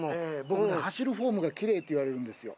僕ね走るフォームがキレイって言われるんですよ。